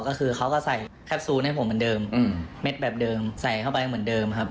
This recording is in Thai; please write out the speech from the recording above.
ก็คือเขาก็ใส่แคปซูลให้ผมเหมือนเดิมเม็ดแบบเดิมใส่เข้าไปเหมือนเดิมครับ